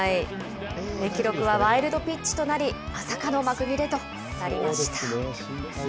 記録はワイルドピッチとなり、まさかの幕切れとなりました。